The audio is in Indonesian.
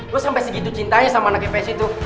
lo sampe segitu cintanya sama anaknya fes itu